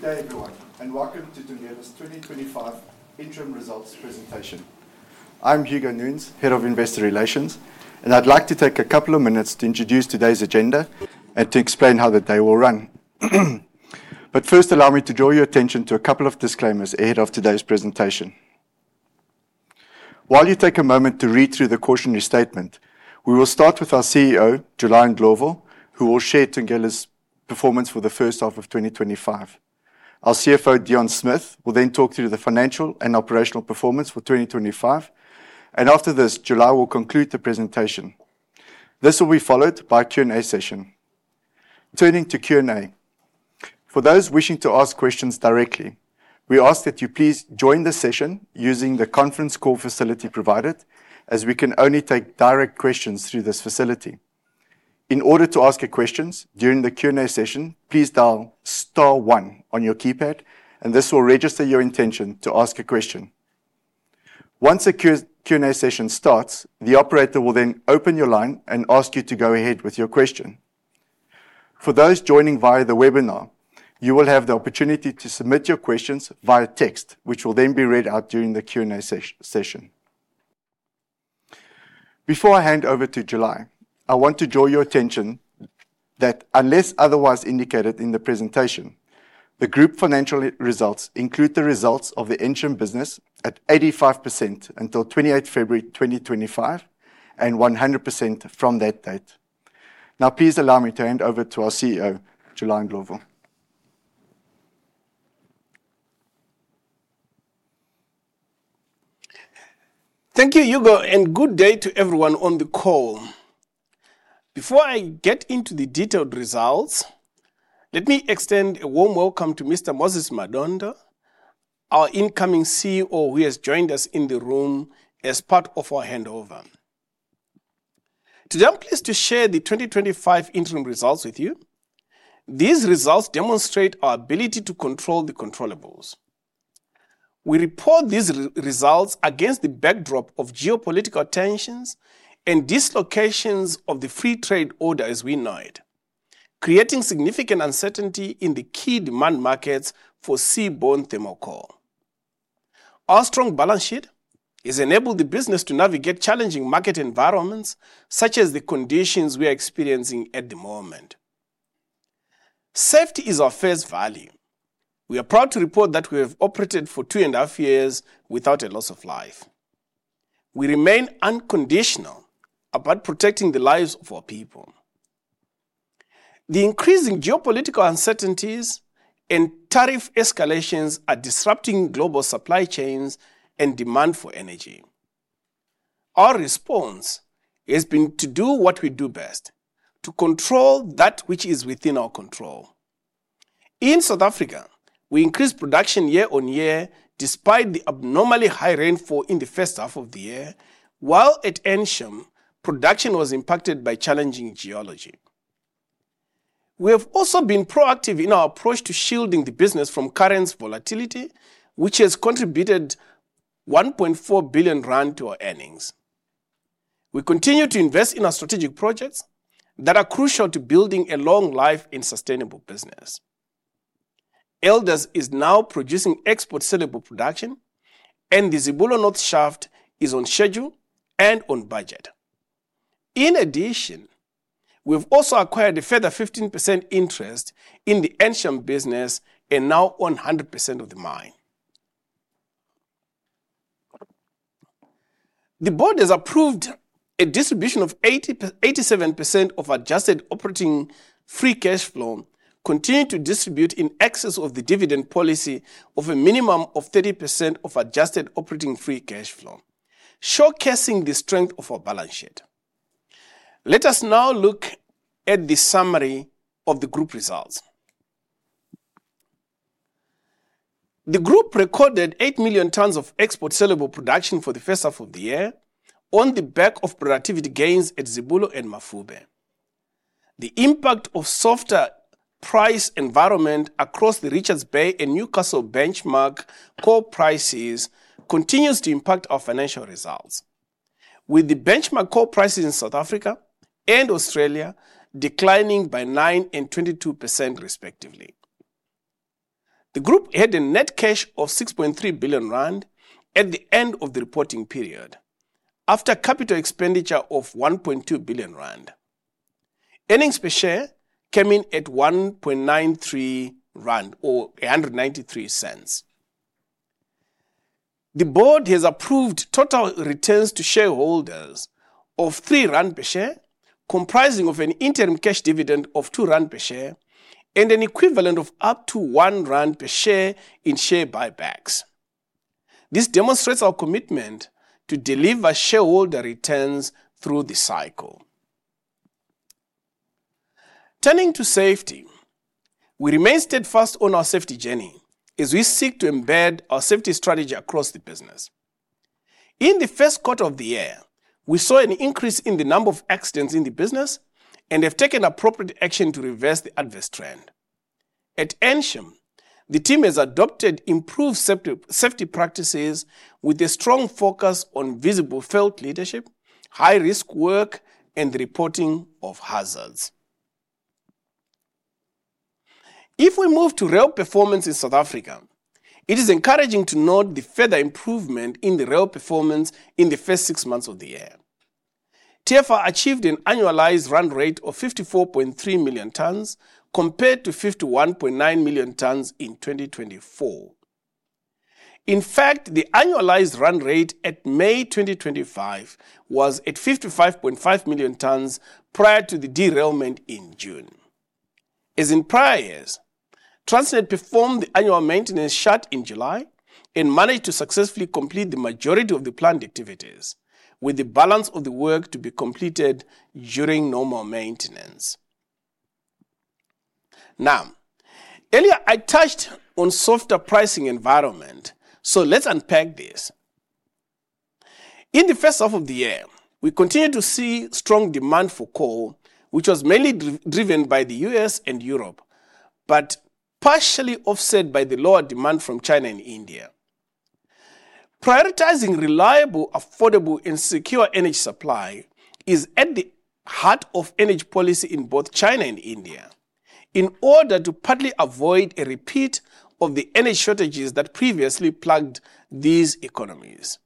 Good day everyone, and welcome to Thungela's 2025 Interim Results Presentation. I'm Hugo Nunes, Head of Investor Relations, and I'd like to take a couple of minutes to introduce today's agenda and to explain how the day will run. First, allow me to draw your attention to a couple of disclaimers ahead of today's presentation. While you take a moment to read through the cautionary statement, we will start with our CEO, July Ndlovu, who will share Thungela Resources' performance for the first half of 2025. Our CFO, Deon Smith, will then talk through the financial and operational performance for 2025, and after this, July will conclude the presentation. This will be followed by a Q&A session. Turning to Q&A, for those wishing to ask questions directly, we ask that you please join the session using the conference call facility provided, as we can only take direct questions through this facility. In order to ask your questions during the Q&A session, please dial star one on your keypad, and this will register your intention to ask a question. Once a Q&A session starts, the operator will then open your line and ask you to go ahead with your question. For those joining via the webinar, you will have the opportunity to submit your questions via text, which will then be read out during the Q&A session. Before I hand over to July, I want to draw your attention that, unless otherwise indicated in the presentation, the group financial results include the results of the interim business at 85% until February 28, 2025, and 100% from that date. Now, please allow me to hand over to our CEO, July Ndlovu. Thank you, Hugo, and good day to everyone on the call. Before I get into the detailed results, let me extend a warm welcome to Mr. Moses Madondo, our incoming CEO, who has joined us in the room as part of our handover. Today, I'm pleased to share the 2025 interim results with you. These results demonstrate our ability to control the controllables. We report these results against the backdrop of geopolitical tensions and dislocations of the free trade orders we denied, creating significant uncertainty in the key demand markets for seaborne thermal coal. Our strong balance sheet has enabled the business to navigate challenging market environments, such as the conditions we are experiencing at the moment. Safety is our first value. We are proud to report that we have operated for two and a half years without a loss of life. We remain unconditional about protecting the lives of our people. The increasing geopolitical uncertainties and tariff escalations are disrupting global supply chains and demand for energy. Our response has been to do what we do best: to control that which is within our control. In South Africa, we increased production year on year despite the abnormally high rainfall in the first half of the year, while at Ensham, production was impacted by challenging geology. We have also been proactive in our approach to shielding the business from current volatility, which has contributed 1.4 billion rand to our earnings. We continue to invest in our strategic projects that are crucial to building a long-lived and sustainable business. Elders is now producing export saleable production, and the Zibulo North Shaft is on schedule and on budget. In addition, we have also acquired a further 15% interest in the Ensham business and now own 100% of the mine. The board has approved a distribution of 87% of adjusted operating free cash flow, continuing to distribute in excess of the dividend policy of a minimum of 30% of adjusted operating free cash flow, showcasing the strength of our balance sheet. Let us now look at the summary of the group results. The group recorded 8 million tons of export-suitable production for the first half of the year on the back of productivity gains at Zibulo and Mafube. The impact of softer price environments across the Richards Bay and Newcastle benchmark coal prices continues to impact our financial results, with the benchmark coal prices in South Africa and Australia declining by 9% and 22% respectively. The group had a net cash of 6.3 billion rand at the end of the reporting period, after a capital expenditure of 1.2 billion rand. Earnings per share came in at 1.93 rand or 1.93. The board has approved total returns to shareholders of 3 rand per share, comprising of an interim cash dividend of 2 rand per share and an equivalent of up to 1 rand per share in share buybacks. This demonstrates our commitment to deliver shareholder returns through the cycle. Turning to safety, we remain steadfast on our safety journey as we seek to embed our safety strategy across the business. In the first quarter of the year, we saw an increase in the number of accidents in the business, and we have taken appropriate action to reverse the adverse trend. At Ensham, the team has adopted improved safety practices with a strong focus on visible felt leadership, high-risk work, and the reporting of hazards. If we move to rail performance in South Africa, it is encouraging to note the further improvement in the rail performance in the first six months of the year. TFR achieved an annualized run rate of 54.3 million tons, compared to 51.9 million tons in 2024. In fact, the annualized run rate at May 2025 was at 55.5 million tons prior to the derailment in June. As in prior years, Transnet performed the annual maintenance shutdown in July and managed to successfully complete the majority of the planned activities, with the balance of the work to be completed during normal maintenance. Earlier I touched on the softer pricing environment, so let's unpack this. In the first half of the year, we continued to see strong demand for coal, which was mainly driven by the U.S. and Europe, but partially offset by the lower demand from China and India. Prioritizing reliable, affordable, and secure energy supply is at the heart of energy policy in both China and India, in order to partly avoid a repeat of the energy shortages that previously plagued these economies.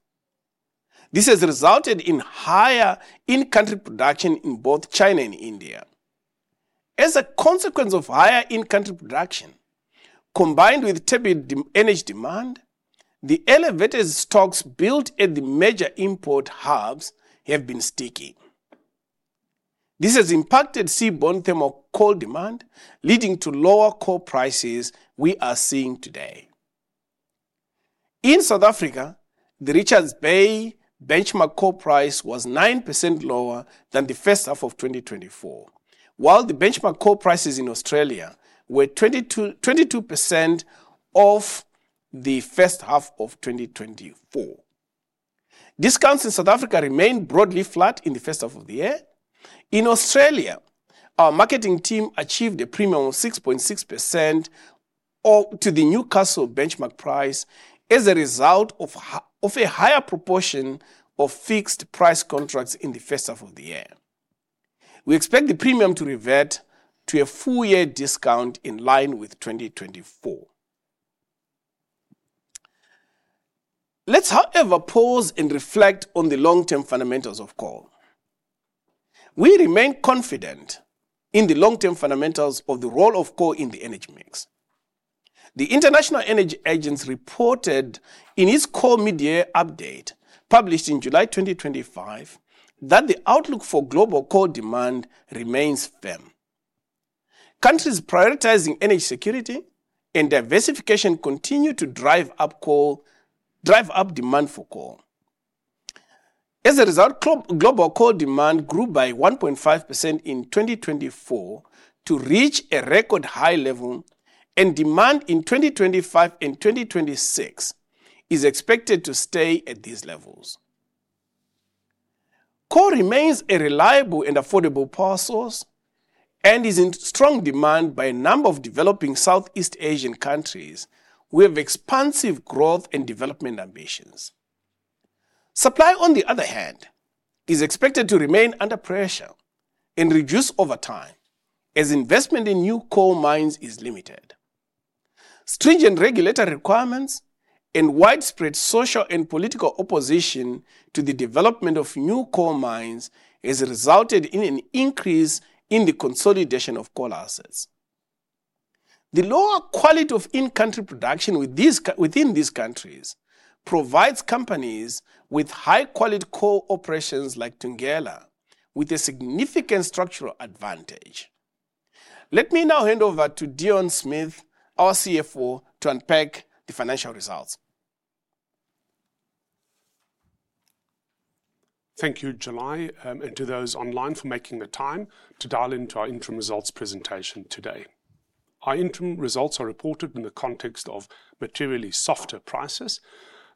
This has resulted in higher in-country production in both China and India. As a consequence of higher in-country production, combined with heavy energy demand, the elevated stocks built at the major import hubs have been sticky. This has impacted seaborne thermal coal demand, leading to lower coal prices we are seeing today. In South Africa, the Richards Bay benchmark coal price was 9% lower than the first half of 2024, while the benchmark coal prices in Australia were 22% off the first half of 2024. Discounts in South Africa remain broadly flat in the first half of the year. In Australia, our marketing team achieved a premium of 6.6% to the Newcastle benchmark price as a result of a higher proportion of fixed price contracts in the first half of the year. We expect the premium to revert to a full-year discount in line with 2024. Let's, however, pause and reflect on the long-term fundamentals of coal. We remain confident in the long-term fundamentals of the role of coal in the energy mix. The International Energy Agency reported in its coal mid-year update published in July 2025 that the outlook for global coal demand remains firm. Countries prioritizing energy security and diversification continue to drive up demand for coal. As a result, global coal demand grew by 1.5% in 2024 to reach a record high level, and demand in 2025 and 2026 is expected to stay at these levels. Coal remains a reliable and affordable power source and is in strong demand by a number of developing Southeast Asian countries with expansive growth and development ambitions. Supply, on the other hand, is expected to remain under pressure and reduce over time as investment in new coal mines is limited. Stringent regulatory requirements and widespread social and political opposition to the development of new coal mines have resulted in an increase in the consolidation of coal assets. The lower quality of in-country production within these countries provides companies with high-quality coal operations like Thungela, with a significant structural advantage. Let me now hand over to Deon Smith, our CFO, to unpack the financial results. Thank you, July, and to those online for making the time to dial into our interim results presentation today. Our interim results are reported in the context of materially softer prices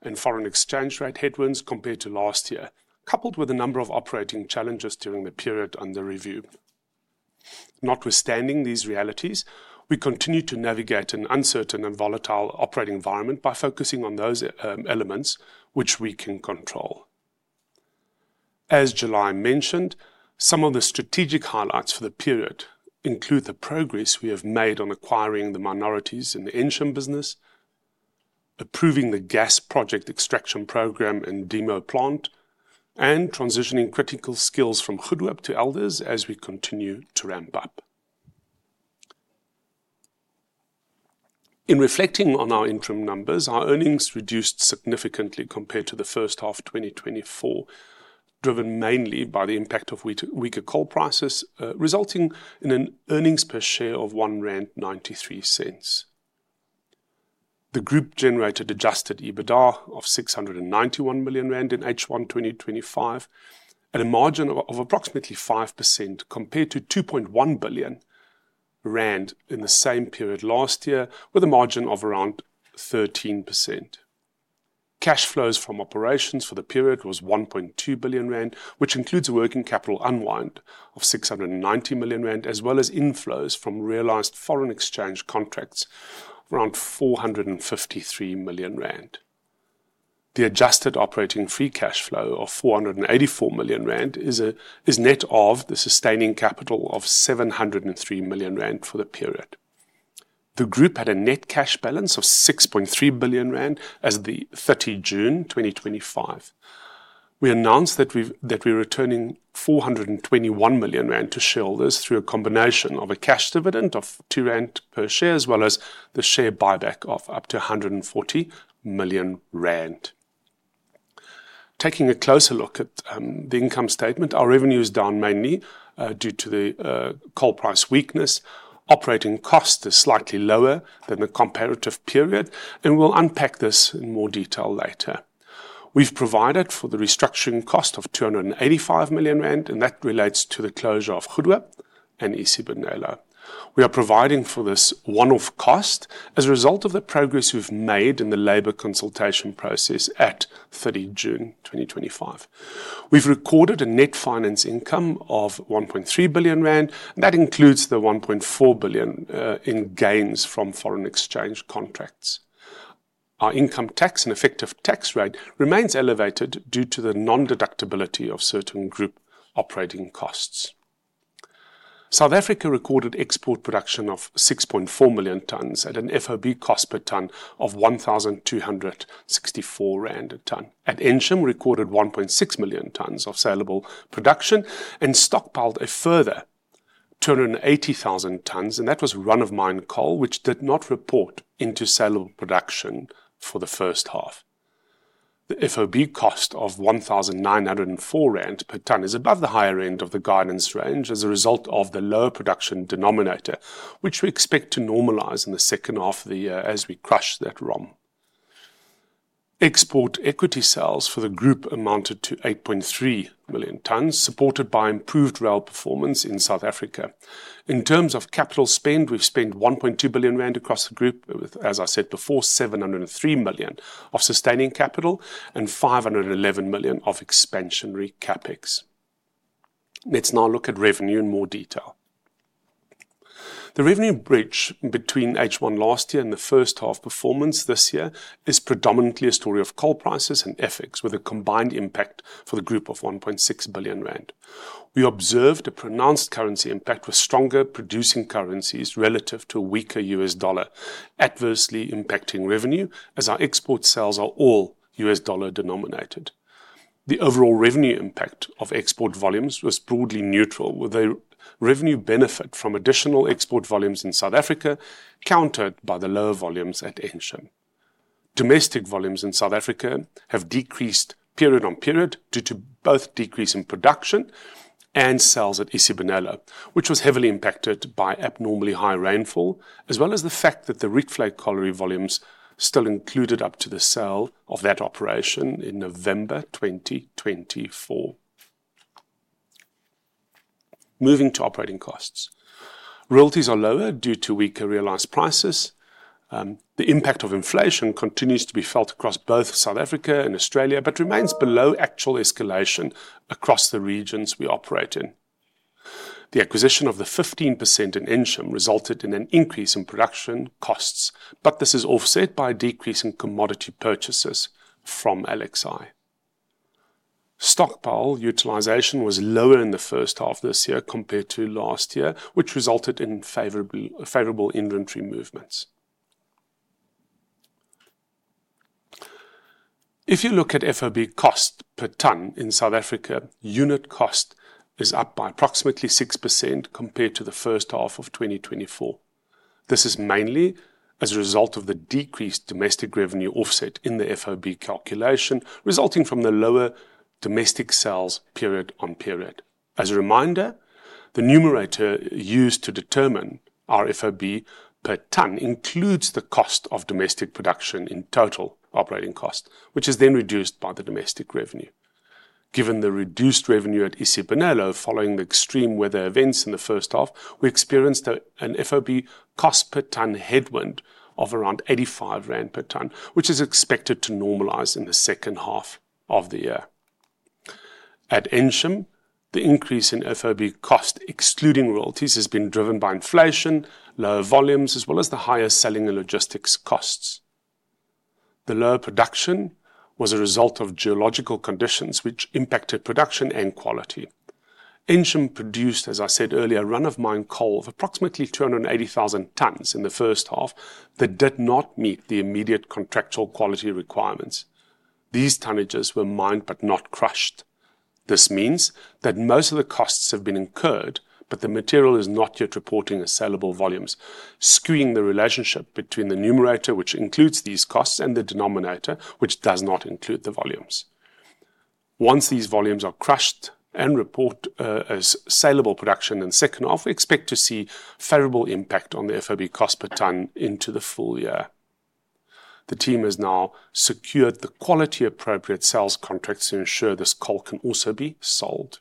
and foreign exchange rate headwinds compared to last year, coupled with a number of operating challenges during the period under review. Notwithstanding these realities, we continue to navigate an uncertain and volatile operating environment by focusing on those elements which we can control. As July mentioned, some of the strategic highlights for the period include the progress we have made on acquiring the minorities in the Ensham business, approving the gas project extraction program and demo plant, and transitioning critical skills from Goedehoop to Elders as we continue to ramp up. In reflecting on our interim numbers, our earnings reduced significantly compared to the first half of 2024, driven mainly by the impact of weaker coal prices, resulting in an earnings per share of 1.93 rand. The group generated adjusted EBITDA of 691 million rand in H1 2025, at a margin of approximately 5% compared to 2.1 billion rand in the same period last year, with a margin of around 13%. Cash flows from operations for the period were 1.2 billion rand, which includes a working capital unwound of $690 million, as well as inflows from realized foreign exchange contracts of around 453 million rand. The adjusted operating free cash flow of 484 million rand is net of the sustaining capital of 703 million rand for the period. The group had a net cash balance of 6.3 billion rand as of 30 June 2025. We announced that we are returning 421 million rand to shareholders through a combination of a cash dividend of 2 rand per share, as well as the share buyback of up to 140 million rand. Taking a closer look at the income statement, our revenue is down mainly due to the coal price weakness. Operating costs are slightly lower than the comparative period, and we'll unpack this in more detail later. We've provided for the restructuring cost of 285 million rand, and that relates to the closure of Goedehoop and Isibonelo.. We are providing for this one-off cost as a result of the progress we've made in the labor consultation process at 30 June 2025. We've recorded a net finance income of 1.3 billion rand, and that includes the 1.4 billion in gains from foreign exchange contracts. Our income tax and effective tax rate remains elevated due to the non-deductibility of certain group operating costs. South Africa recorded export production of 6.4 million tons at an FOB cost per ton of 1,264 rand a ton. At Ensham, we recorded 1.6 million tons of saleable production and stockpiled a further 280,000 tons, and that was run-of-mine coal, which did not report into saleable production for the first half. The FOB cost of 1,904 rand per ton is above the higher end of the guidance range as a result of the low production denominator, which we expect to normalize in the second half of the year as we crush that ROM. Export equity sales for the group amounted to 8.3 million tons, supported by improved rail performance in South Africa. In terms of capital spend, we've spent 1.2 billion rand across the group, with, as I said before, 703 million of sustaining capital and 511 million of expansionary CapEx. Let's now look at revenue in more detail. The revenue bridge between H1 last year and the first half performance this year is predominantly a story of coal prices and FX, with a combined impact for the group of 1.6 billion rand. We observed a pronounced currency impact with stronger producing currencies relative to a weaker U.S. dollar, adversely impacting revenue as our export sales are all U.S. dollar denominated. The overall revenue impact of export volumes was broadly neutral, with a revenue benefit from additional export volumes in South Africa countered by the lower volumes at Ensham. Domestic volumes in South Africa have decreased period on period due to both decrease in production and sales at Isibonelo, which was heavily impacted by abnormally high rainfall, as well as the fact that the Rietvlei Colliery volumes still included up to the sale of that operation in November 2024. Moving to operating costs, royalties are lower due to weaker realized prices. The impact of inflation continues to be felt across both South Africa and Australia, but remains below actual escalation across the regions we operate in. The acquisition of the 15% in Ensham resulted in an increase in production costs, but this is offset by a decrease in commodity purchases from LXI. Stockpile utilization was lower in the first half of this year compared to last year, which resulted in favorable inventory movements. If you look at FOB cost per ton in South Africa, unit cost is up by approximately 6% compared to the first half of 2024. This is mainly as a result of the decreased domestic revenue offset in the FOB calculation, resulting from the lower domestic sales period on period. As a reminder, the numerator used to determine our FOB per ton includes the cost of domestic production in total operating cost, which is then reduced by the domestic revenue. Given the reduced revenue at Isibonelo following the extreme weather events in the first half, we experienced an FOB cost per ton headwind of around 85 rand per ton, which is expected to normalize in the second half of the year. At Ensham, the increase in FOB cost excluding royalties has been driven by inflation, lower volumes, as well as the higher selling and logistics costs. The lower production was a result of geological conditions, which impacted production and quality. Ensham produced, as I said earlier, run-of-mine coal of approximately 280,000 tons in the first half that did not meet the immediate contractual quality requirements. These tonnages were mined but not crushed. This means that most of the costs have been incurred, but the material is not yet reporting as saleable volumes, skewing the relationship between the numerator, which includes these costs, and the denominator, which does not include the volumes. Once these volumes are crushed and reported as saleable production in the second half, we expect to see a favorable impact on the FOB cost per ton into the full year. The team has now secured the quality-appropriate sales contracts to ensure this coal can also be sold.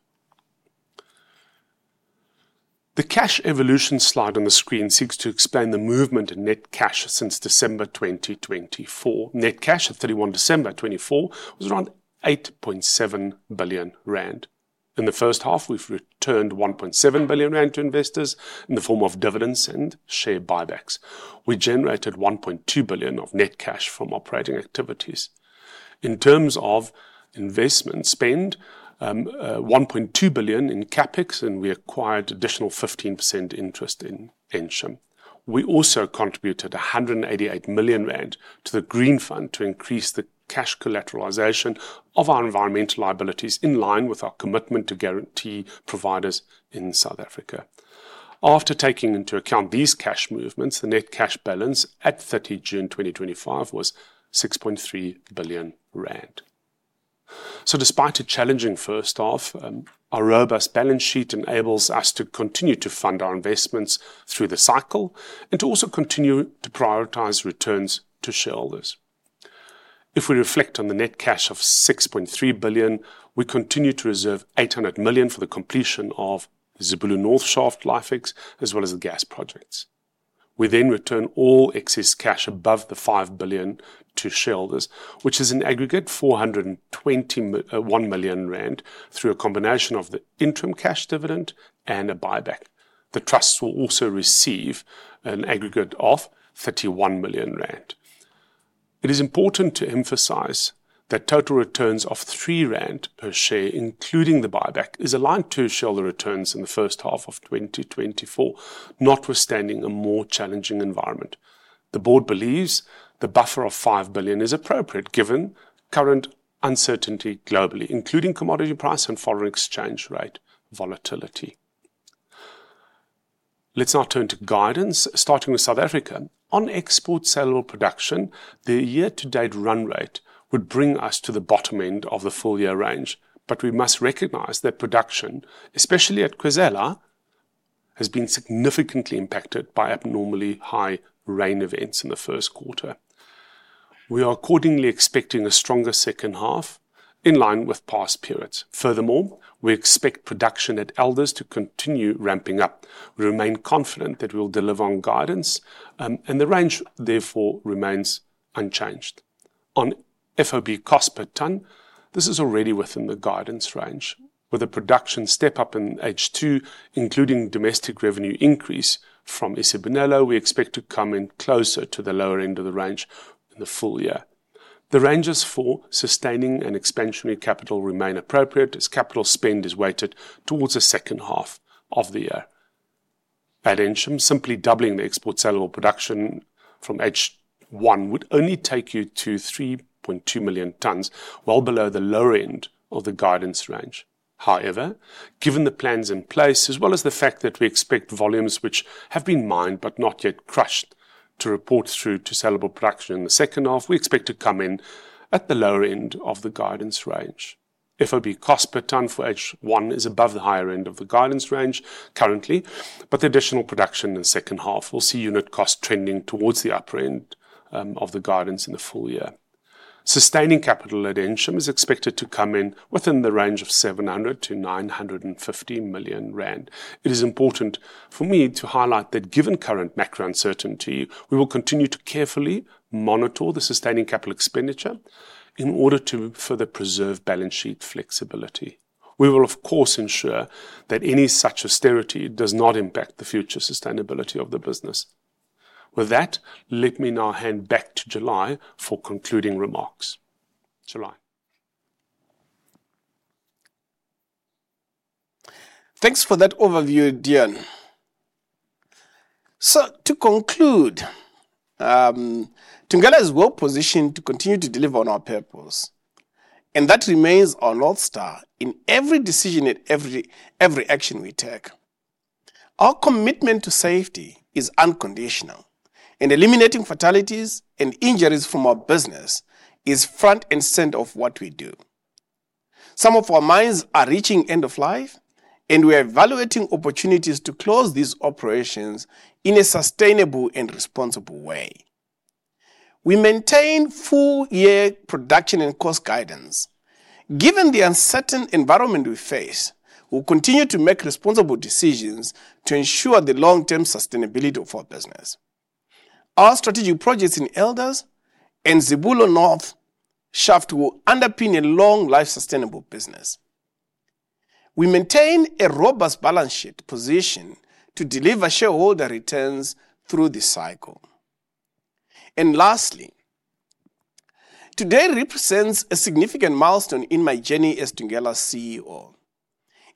The cash evolution slide on the screen seeks to explain the movement in net cash since December 2024. Net cash at 31 December 2024 was around 8.7 billion rand. In the first half, we've returned 1.7 billion rand to investors in the form of dividends and share buybacks. We generated 1.2 billion of net cash from operating activities. In terms of investment spend, 1.2 billion in CapEx, and we acquired additional 15% interest in Ensham. We also contributed 188 million rand to the Green Fund to increase the cash collateralization of our environmental liabilities in line with our commitment to guarantee providers in South Africa. After taking into account these cash movements, the net cash balance at 30 June 2025 was 6.3 billion rand. Despite a challenging first half, our robust balance sheet enables us to continue to fund our investments through the cycle and to also continue to prioritize returns to shareholders. If we reflect on the net cash of 6.3 billion, we continue to reserve 800 million for the completion of the Zibulo North Shaft life as well as the gas projects. We then return all excess cash above the 5 billion to shareholders, which is an aggregate of 421 million rand through a combination of the interim cash dividend and a buyback. The trusts will also receive an aggregate of 31 million rand. It is important to emphasize that total returns of 3 rand per share, including the buyback, are aligned to shareholder returns in the first half of 2024, notwithstanding a more challenging environment. The board believes the buffer of 5 billion is appropriate given current uncertainty globally, including commodity price and foreign exchange rate volatility. Let's now turn to guidance, starting in South Africa. On export saleable production, the year-to-date run rate would bring us to the bottom end of the full-year range, but we must recognize that production, especially at Khwezela, has been significantly impacted by abnormally high rain events in the first quarter. We are accordingly expecting a stronger second half in line with past periods. Furthermore, we expect production at Elders to continue ramping up. We remain confident that we will deliver on guidance, and the range therefore remains unchanged. On FOB cost per ton, this is already within the guidance range. With a production step-up in H2, including domestic revenue increase from Isibonelo, we expect to come in closer to the lower end of the range in the full year. The ranges for sustaining and expansionary capital remain appropriate as capital spend is weighted towards the second half of the year. At Ensham, simply doubling the export saleable production from H1 would only take you to 3.2 million tons, well below the lower end of the guidance range. However, given the plans in place, as well as the fact that we expect volumes which have been mined but not yet crushed to report through to saleable production in the second half, we expect to come in at the lower end of the guidance range. FOB cost per ton for H1 is above the higher end of the guidance range currently, but the additional production in the second half will see unit costs trending towards the upper end of the guidance in the full year. Sustaining capital at Ensham is expected to come in within the range of 700 million-950 million rand. It is important for me to highlight that given current macro uncertainty, we will continue to carefully monitor the sustaining capital expenditure in order to further preserve balance sheet flexibility. We will, of course, ensure that any such austerity does not impact the future sustainability of the business. With that, let me now hand back to July for concluding remarks. July. Thanks for that overview, Deon. To conclude, Thungela is well-positioned to continue to deliver on our purpose, and that remains our North Star in every decision and every action we take. Our commitment to safety is unconditional, and eliminating fatalities and injuries from our business is front and center of what we do. Some of our mines are reaching end of life, and we are evaluating opportunities to close these operations in a sustainable and responsible way. We maintain full-year production and cost guidance. Given the uncertain environment we face, we'll continue to make responsible decisions to ensure the long-term sustainability of our business. Our strategic projects in Elders and Zibulo North Shaft will underpin a long-life sustainable business. We maintain a robust balance sheet position to deliver shareholder returns through the cycle. Lastly, today represents a significant milestone in my journey as Thungela's CEO,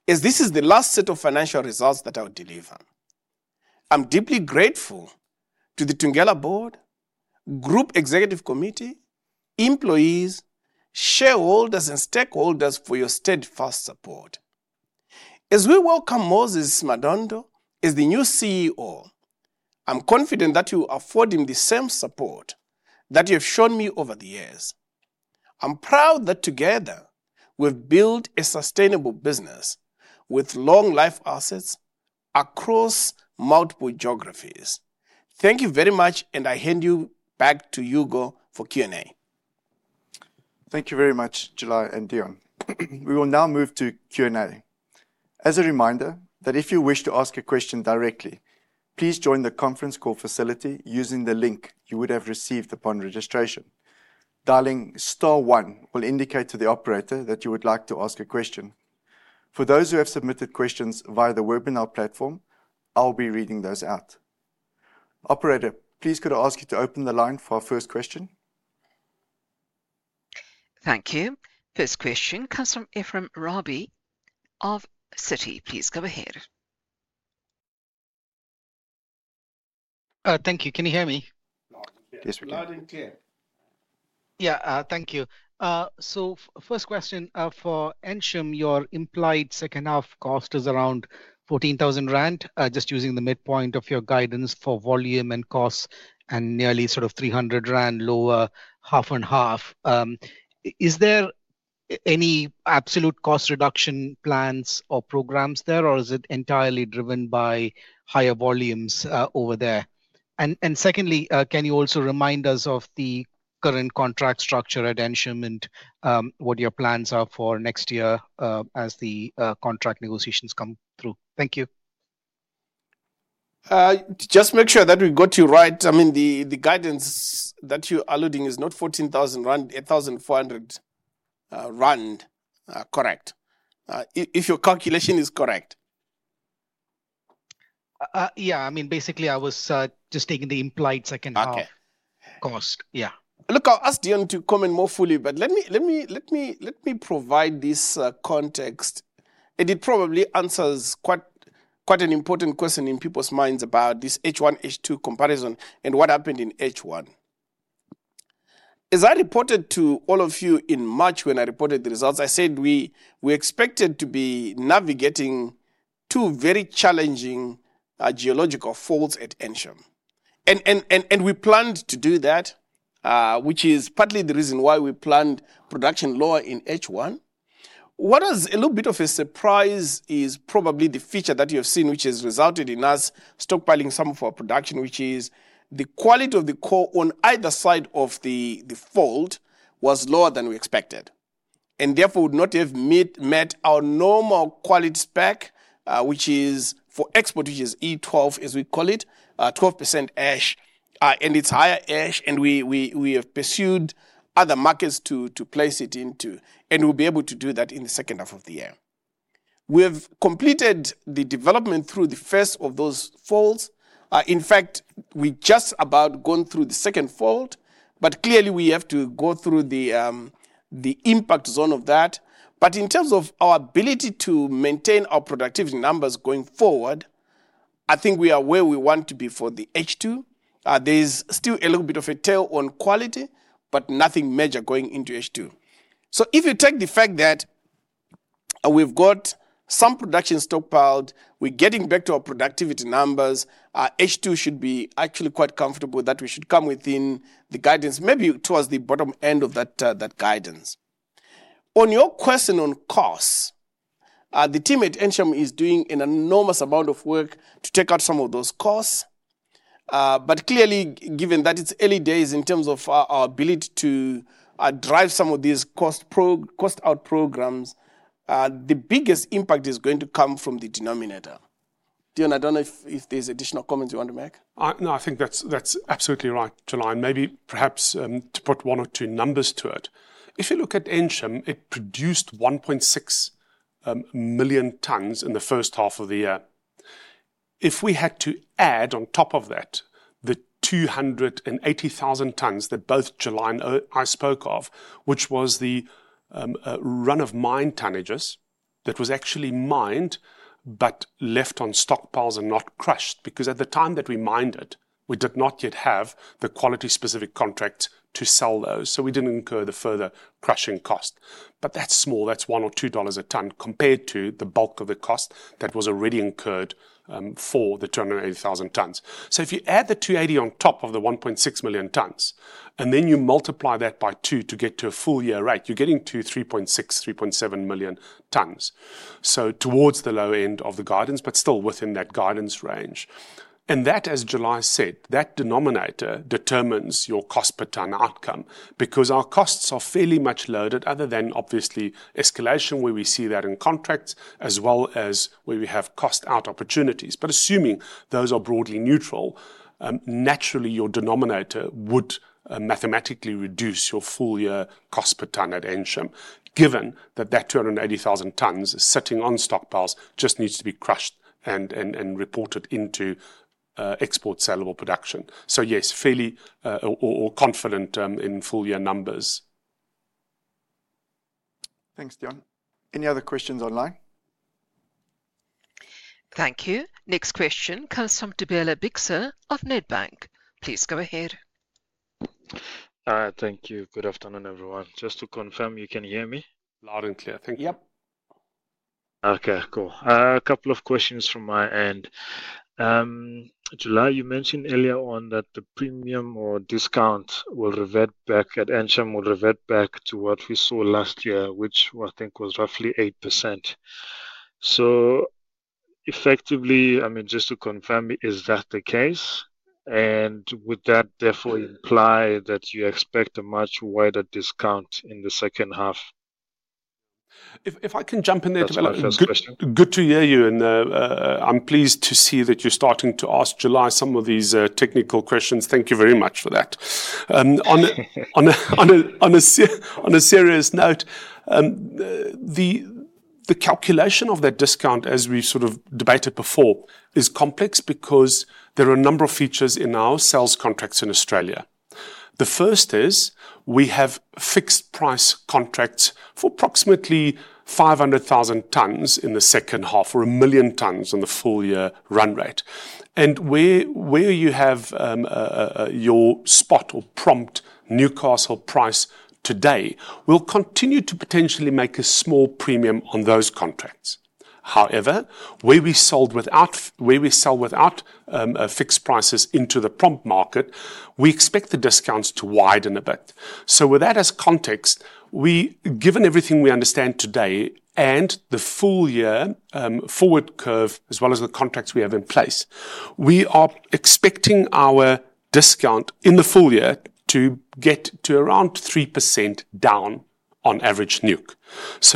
as this is the last set of financial results that I'll deliver. I'm deeply grateful to the Thungela Board, Group Executive Committee, employees, shareholders, and stakeholders for your steadfast support. As we welcome Moses Madondo as the new CEO, I'm confident that you will afford him the same support that you have shown me over the years. I'm proud that together we've built a sustainable business with long-life assets across multiple geographies. Thank you very much, and I hand you back to Hugo for Q&A. Thank you very much, July and Deon. We will now move to Q&A. As a reminder, if you wish to ask a question directly, please join the conference call facility using the link you would have received upon registration. Dialing star one will indicate to the operator that you would like to ask a question. For those who have submitted questions via the webinar platform, I'll be reading those out. Operator, please could I ask you to open the line for our first question? Thank you. First question comes from Ephrem Ravi of Citi. Please go ahead. Thank you. Can you hear me? Yes, we're loud and clear. Thank you. First question for Ensham. Your implied second half cost is around 14,000 rand, just using the midpoint of your guidance for volume and costs, and nearly sort of 300 rand lower, half and half. Is there any absolute cost reduction plans or programs there, or is it entirely driven by higher volumes over there? Secondly, can you also remind us of the current contract structure at Ensham and what your plans are for next year as the contract negotiations come through? Thank you. Just to make sure that we got you right, I mean, the guidance that you're alluding is not 14,000 rand. It's 8,400 rand. Correct. If your calculation is correct. Yeah, I mean, basically, I was just taking the implied second half cost. Yeah. Look, I'll ask Deon to come in more fully, but let me provide this context. It probably answers quite an important question in people's minds about this H1, H2 comparison and what happened in H1. As I reported to all of you in March when I reported the results, I said we expected to be navigating two very challenging geological faults at Ensham. We planned to do that, which is partly the reason why we planned production lower in H1. What is a little bit of a surprise is probably the feature that you have seen, which has resulted in us stockpiling some of our production, which is the quality of the coal on either side of the fault was lower than we expected. Therefore, it would not have met our normal quality spec, which is for export, which is E12, as we call it, 12% ash. It's higher ash, and we have pursued other markets to place it into. We'll be able to do that in the second half of the year. We have completed the development through the first of those faults. In fact, we've just about gone through the second fault, but clearly, we have to go through the impact zone of that. In terms of our ability to maintain our productivity numbers going forward, I think we are where we want to be for the H2. There is still a little bit of a tail on quality, but nothing major going into H2. If you take the fact that we've got some production stockpiled, we're getting back to our productivity numbers, H2 should be actually quite comfortable that we should come within the guidance, maybe towards the bottom end of that guidance. On your question on costs, the team at Ensham is doing an enormous amount of work to take out some of those costs. Clearly, given that it's early days in terms of our ability to drive some of these cost-out programs, the biggest impact is going to come from the denominator. Deon, I don't know if there's additional comments you want to make. No, I think that's absolutely right, July, and maybe perhaps to put one or two numbers to it. If you look at Ensham, it produced 1.6 million tons in the first half of the year. If we had to add on top of that the 280,000 tons that both July and I spoke of, which was the run-of-mine tonnages that were actually mined but left on stockpiles and not crushed, because at the time that we mined it, we did not yet have the quality-specific contracts to sell those. We didn't incur the further crushing cost. That's small. That's $1 or $2 a ton compared to the bulk of the cost that was already incurred for the 280,000 tons. If you add the 280,000 on top of the 1.6 million tons, and then you multiply that by 2 to get to a full-year rate, you're getting to 3.6, 3.7 million tons. That's towards the lower end of the guidance, but still within that guidance range. As July said, that denominator determines your cost per ton outcome, because our costs are fairly much lower than other than, obviously, escalation where we see that in contracts, as well as where we have cost-out opportunities. Assuming those are broadly neutral, naturally, your denominator would mathematically reduce your full-year cost per ton at Ensham, given that that 280,000 tons sitting on stockpiles just needs to be crushed and reported into export saleable production. Yes, fairly confident in full-year numbers. Any other questions online? Thank you. Next question comes from Thobela Bixa of Nedbank. Please go ahead. Thank you. Good afternoon, everyone. Just to confirm, you can hear me? Yep. Okay, cool. A couple of questions from my end. July, you mentioned earlier on that the premium or discount will revert back at Ensham, will revert back to what we saw last year, which I think was roughly 8%. Effectively, I mean, just to confirm, is that the case? Would that therefore imply that you expect a much wider discount in the second half? If I can jump in there, development. Good to hear you, and I'm pleased to see that you're starting to ask July some of these technical questions. Thank you very much for that. On a serious note, the calculation of that discount, as we sort of debated before, is complex because there are a number of features in our sales contracts in Australia. The first is we have fixed price contracts for approximately 500,000 tons in the second half or 1 million tons on the full-year run rate. Where you have your spot or prompt Newcastle price today, we'll continue to potentially make a small premium on those contracts. However, where we sell without fixed prices into the prompt market, we expect the discounts to widen a bit. With that as context, given everything we understand today and the full-year forward curve, as well as the contracts we have in place, we are expecting our discount in the full year to get to around 3% down on average NUC.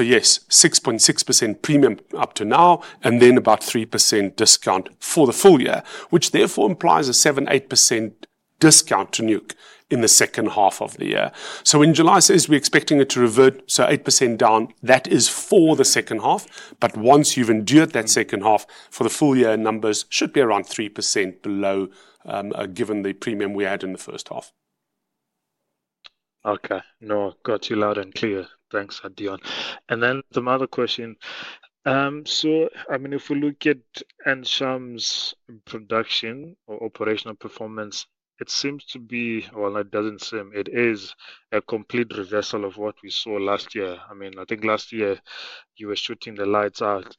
Yes, 6.6% premium up to now, and then about 3% discount for the full year, which therefore implies a 7%, 8% discount to NUC in the second half of the year. When July says we're expecting it to revert to 8% down, that is for the second half, but once you've endured that second half, for the full year, numbers should be around 3% below, given the premium we had in the first half. Okay, no, I've got you loud and clear. Thanks, Deon. Another question. If we look at Ensham production or operational performance, it seems to be, it is a complete reversal of what we saw last year. I think last year you were shooting the lights out.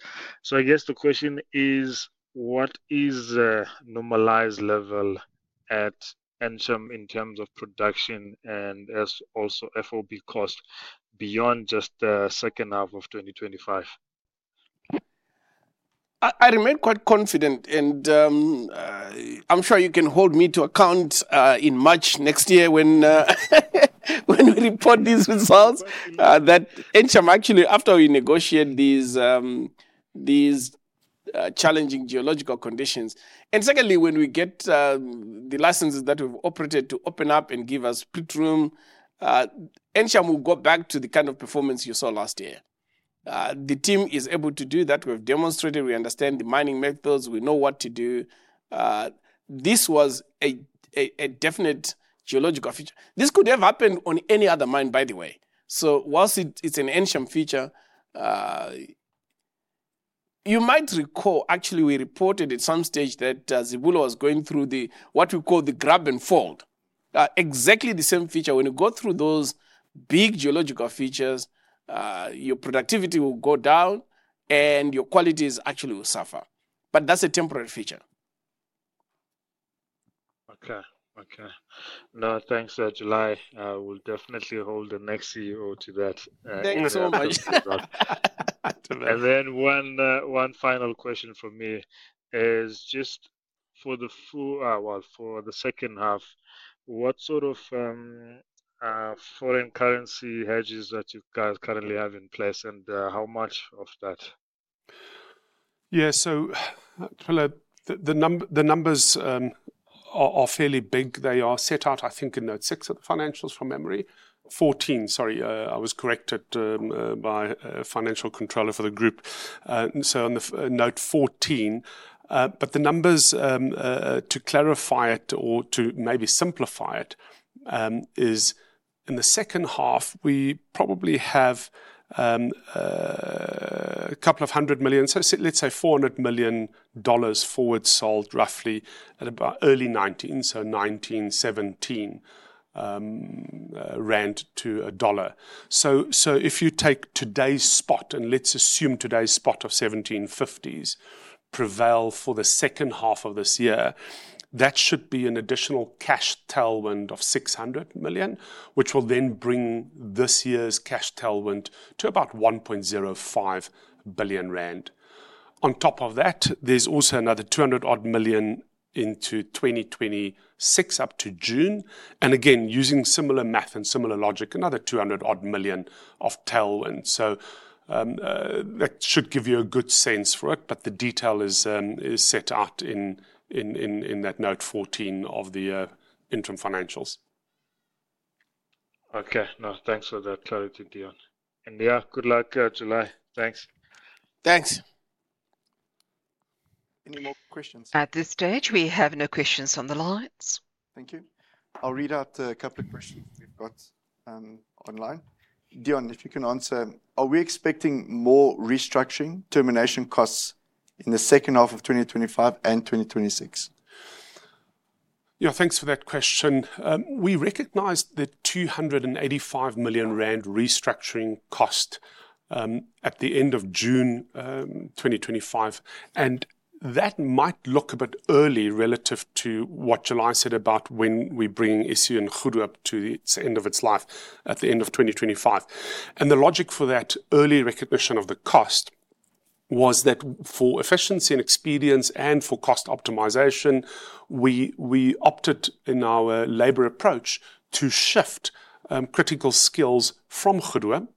I guess the question is, what is the normalized level at Ensham in terms of production and also FOB cost beyond just the second half of 2025? I remain quite confident, and I'm sure you can hold me to account in March next year when we report these results that Ensham actually, after we negotiate these challenging geological conditions. Secondly, when we get the licenses that we've operated to open up and give us split room, Ensham will go back to the kind of performance you saw last year. The team is able to do that. We've demonstrated we understand the mining methods. We know what to do. This was a definite geological feature. This could have happened on any other mine, by the way. Whilst it's an Ensham feature, you might recall, actually, we reported at some stage that Zibulo was going through what we call the grab and fold. Exactly the same feature. When you go through those big geological features, your productivity will go down and your qualities actually will suffer. That's a temporary feature. Okay, okay. No, thanks, July. We'll definitely hold the next CEO to that. One final question from me is just for the second half, what sort of foreign currency hedges that you guys currently have in place and how much of that? Yeah, so the numbers are fairly big. They are set out, I think, in note 14 of the financials from memory. The numbers, to clarify it or to maybe simplify it, is in the second half, we probably have a couple of hundred million, so let's say $400 million forward sold roughly at about early 19, so 19.17 rand to a $1. If you take today's spot and let's assume today's spot of 1,750 prevails for the second half of this year, that should be an additional cash tailwind of 600 million, which will then bring this year's cash tailwind to about 1.05 billion rand. On top of that, there's also another 200-odd million into 2026 up to June. Again, using similar math and similar logic, another $200 million of tailwind. That should give you a good sense for it, but the detail is set out in that note 14 of the interim financials. Any more questions? At this stage, we have no questions on the lines. Thank you. I'll read out a couple of questions we've got online. Deon, if you can answer, are we expecting more restructuring, termination costs in the second half of 2025 and 2026? Yeah. Thanks for that question. We recognize the 285 million rand restructuring cost at the end of June 2025. That might look a bit early relative to what July said about when we bring Isi and Goedehoop to the end of its life at the end of 2025. The logic for that early recognition of the cost was that for efficiency and experience and for cost optimization, we opted in our labor approach to shift critical skills from Goedehoop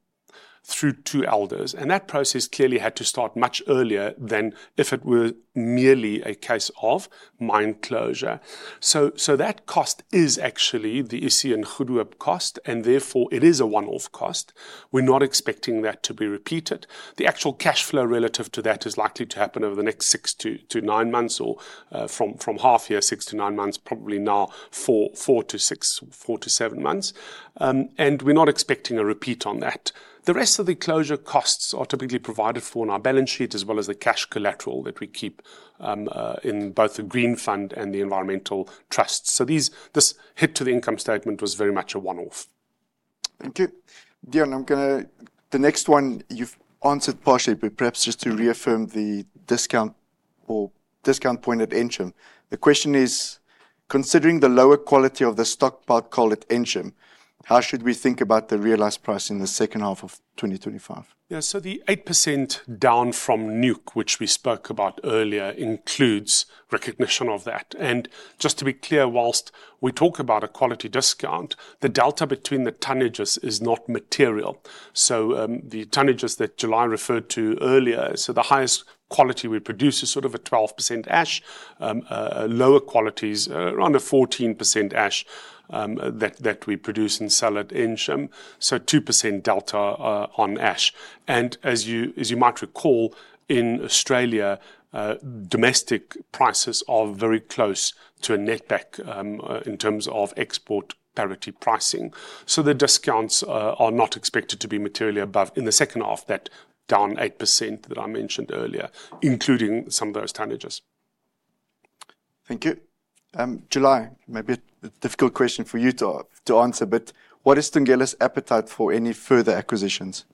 through to Elders. That process clearly had to start much earlier than if it were merely a case of mine closure. That cost is actually the Isi and Goedehoop cost, and therefore it is a one-off cost. We're not expecting that to be repeated. The actual cash flow relative to that is likely to happen over the next 6 to 9 months or from half year, 6 to 9 months, probably now 4 to 7 months. We're not expecting a repeat on that. The rest of the closure costs are typically provided for in our balance sheet, as well as a cash collateral that we keep in both the green fund and the environmental trusts. This hit to the income statement was very much a one-off. Thank you. Deon, I'm going to, the next one, you've answered partially, but perhaps just to reaffirm the discount or discount point at Ensham. The question is, considering the lower quality of the stockpile coal at Ensham, how should we think about the realized price in the second half of 2025? Yeah, so the 8% down from NUK, which we spoke about earlier, includes recognition of that. Just to be clear, whilst we talk about a quality discount, the delta between the tonnages is not material. The tonnages that July referred to earlier, the highest quality we produce is sort of a 12% ash. Lower qualities are on a 14% ash that we produce and sell at Ensham. So, 2% delta on ash. As you might recall, in Australia, domestic prices are very close to a net back in terms of export parity pricing. The discounts are not expected to be materially above in the second half, that down 8% that I mentioned earlier, including some of those tonnages. Thank you. July, maybe a difficult question for you to answer, but what is Thungela's appetite for any further acquisitions?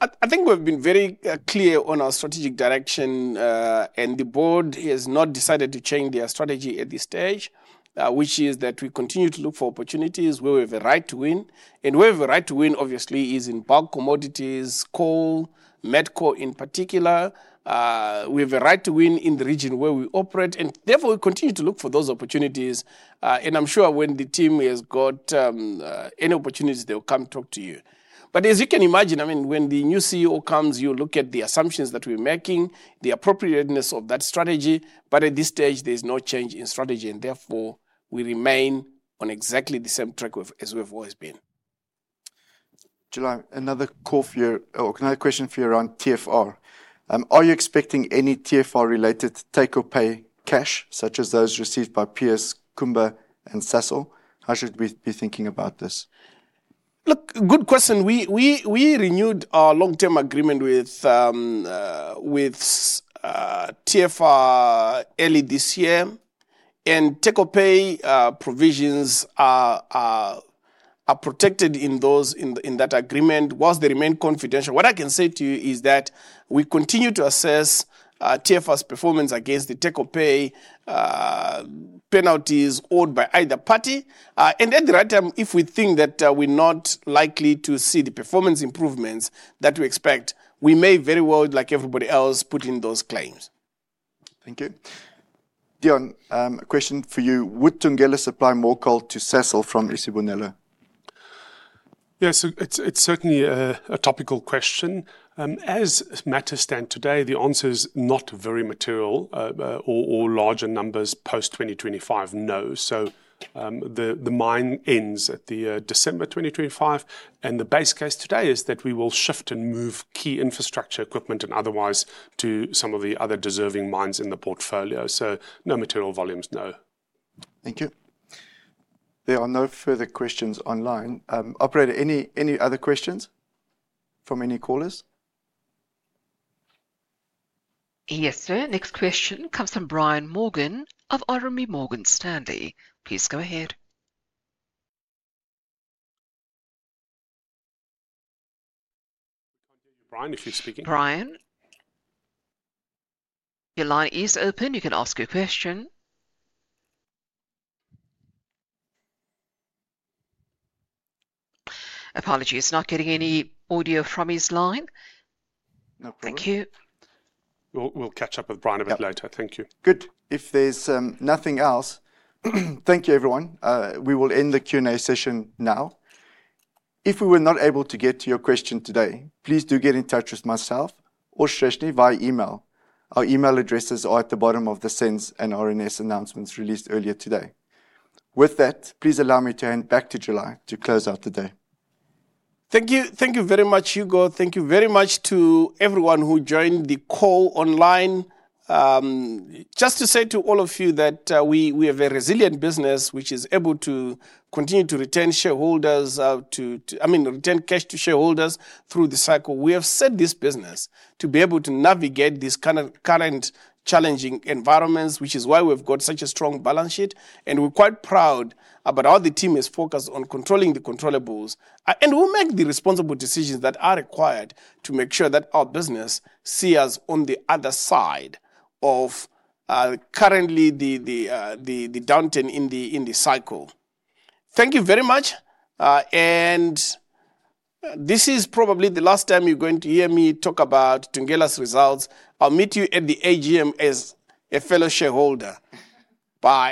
I think we've been very clear on our strategic direction, and the board has not decided to change their strategy at this stage, which is that we continue to look for opportunities where we have a right to win. Where we have a right to win, obviously, is in bulk commodities, coal, met coal in particular. We have a right to win in the region where we operate, and therefore we continue to look for those opportunities. I'm sure when the team has got any opportunities, they'll come talk to you. As you can imagine, when the new CEO comes, you look at the assumptions that we're making, the appropriateness of that strategy. At this stage, there's no change in strategy, and therefore we remain on exactly the same track as we've always been. July, another call for you, or another question for you around TFR. Are you expecting any TFR-related take-or-pay cash, such as those received by peers, Kumba, and Sasol? How should we be thinking about this? Good question. We renewed our long-term agreement with TFR early this year, and take-up pay provisions are protected in that agreement, whilst they remain confidential. What I can say to you is that we continue to assess TFR performance against the take-or-pay penalties owed by either party. At the right time, if we think that we're not likely to see the performance improvements that we expect, we may very well, like everybody else, put in those claims. Thank you. Deon, a question for you. Would Thungela supply more coal to Sasol from Isibonelo? Yeah, it's certainly a topical question. As matters stand today, the answer is not very material or larger numbers post 2025, no. The mine ends at December 2025, and the base case today is that we will shift and move key infrastructure equipment and otherwise to some of the other deserving mines in the portfolio. No material volumes, no. Thank you. There are no further questions online. Operator, any other questions from any callers? Yes, sir. Next question comes from Brian Morgan of RMB Morgan Stanley. Please go ahead. Brian, your line is open. You can ask your question. Apologies, not getting any audio from his line. We'll catch up with Brian a bit later. Good. If there's nothing else, thank you, everyone. We will end the Q&A session now. If we were not able to get to your question today, please do get in touch with myself or Shreshini via email. Our email addresses are at the bottom of the SENS and RNS announcements released earlier today. With that, please allow me to hand back to July to close out today. Thank you. Thank you very much, Hugo. Thank you very much to everyone who joined the call online. Just to say to all of you that we have a resilient business which is able to continue to retain shareholders, to retain cash to shareholders through the cycle. We have set this business to be able to navigate these kind of current challenging environments, which is why we've got such a strong balance sheet. We're quite proud about how the team is focused on controlling the controllables. We'll make the responsible decisions that are required to make sure that our business sees us on the other side of currently the downturn in the cycle. Thank you very much. This is probably the last time you're going to hear me talk about Thungela results. I'll meet you at the AGM as a fellow shareholder. Bye.